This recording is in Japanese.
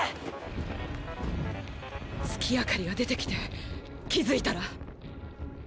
月明かりが出てきて気付いたら。